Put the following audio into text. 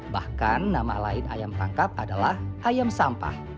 bahkan nama lain ayam tangkap adalah ayam sampah